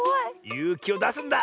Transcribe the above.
ゆうきをだすんだ！